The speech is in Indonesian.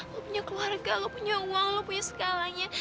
lo punya keluarga lo punya uang lo punya skalanya